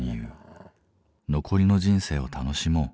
「残りの人生を楽しもう。